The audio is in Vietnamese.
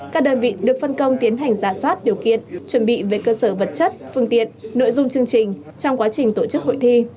các đơn vị được phân công tiến hành giả soát điều kiện chuẩn bị về cơ sở vật chất phương tiện nội dung chương trình trong quá trình tổ chức hội thi